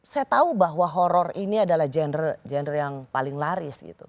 saya tahu bahwa horror ini adalah gender yang paling laris gitu